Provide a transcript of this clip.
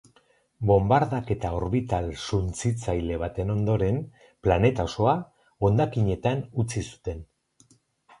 Bonbardaketa orbital suntsitzaile baten ondoren, planeta osoa, hondakinetan utzi zuten.